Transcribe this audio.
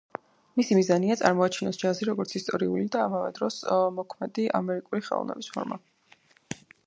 მისი მიზანია წარმოადგინოს ჯაზი როგორც ისტორიული და ამავე დროს მომქმედი ამერიკული ხელოვნების ფორმა.